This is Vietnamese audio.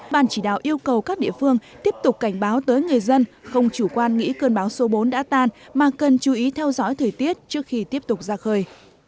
bàn chỉ đạo yêu cầu các địa phương tiếp tục cảnh báo tới người dân không chủ quan nghĩ cơn bão số bốn đã tan mà cần chú ý theo dõi thời tiết trước khi tiếp tục ra khơi